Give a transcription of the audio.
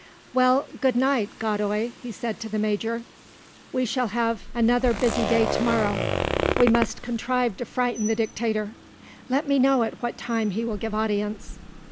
"Well, good night, Godoy," he said to the Major; "we shall have another busy day to morrow. We must contrive to frighten the Dictator. Let me know at what time he will give audience."